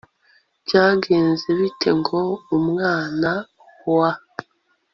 byagenze bite ngo umwana wa